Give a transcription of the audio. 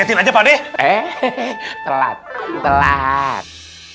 anders wazir padeh eh telak telak